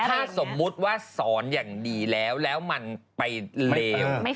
ถ้าสมมุติว่าสอนอย่างดีแล้วแล้วมันไปเลว